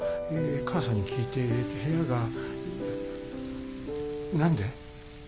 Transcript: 母さんに聞いて部屋が何で？